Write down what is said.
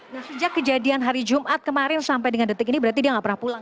nah sejak kejadian hari jumat kemarin sampai dengan detik ini berarti dia nggak pernah pulang